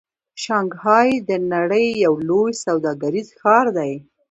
شانګهای د نړۍ یو لوی سوداګریز ښار دی.